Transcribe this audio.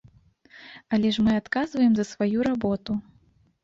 Але ж мы адказваем за сваю работу.